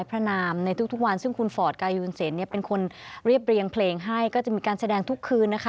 เรียบเรียงเพลงให้ก็จะมีการแสดงทุกคืนนะคะ